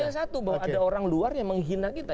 yang satu bahwa ada orang luar yang menghina kita